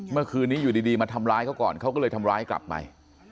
เมื่อคืนนี้อยู่ดีมาทำร้ายเขาก่อนเขาก็เลยทำร้ายกลับไป